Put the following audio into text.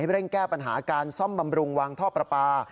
เร่งแก้ปัญหาการซ่อมบำรุงวางท่อประปา